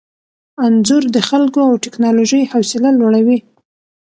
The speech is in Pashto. انځور د خلکو او ټیکنالوژۍ حوصله لوړوي.